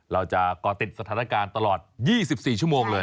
ก่อติดสถานการณ์ตลอด๒๔ชั่วโมงเลย